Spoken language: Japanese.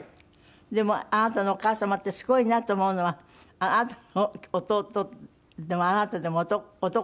でもあなたのお母様ってすごいなと思うのはあなたの弟でもあなたでも男の子３人いるじゃない。